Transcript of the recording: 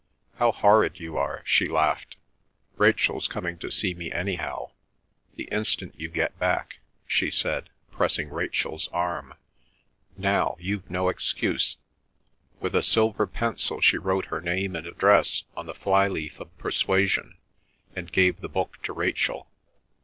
"How horrid you are!" she laughed. "Rachel's coming to see me anyhow—the instant you get back," she said, pressing Rachel's arm. "Now—you've no excuse!" With a silver pencil she wrote her name and address on the flyleaf of Persuasion, and gave the book to Rachel.